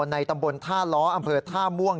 ในตำบลท่าล้ออำเภอท่าม่วง